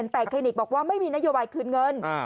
แต่คลินิกบอกว่าไม่มีนโยบายคืนเงิน